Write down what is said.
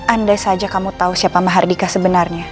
andai saja kamu tahu siapa mahardika sebenarnya